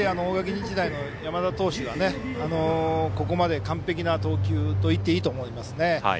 日大の山田投手がここまで完璧な投球と言っていいと思いますね。